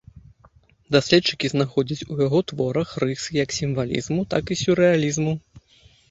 Даследчыкі знаходзяць у яго творах рысы як сімвалізму, так і сюррэалізму.